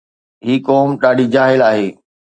هي قوم ڏاڍي جاهل آهي